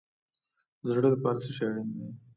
د زړه لپاره څه شی اړین دی؟